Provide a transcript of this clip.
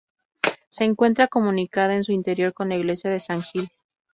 Se encuentra comunicada en su interior con la iglesia de San Gil.